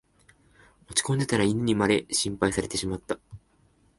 落ちこんでたら犬にまで心配されてしまった